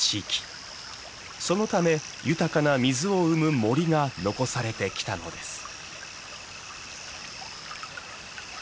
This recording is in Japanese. そのため豊かな水を生む森が残されてきたのです。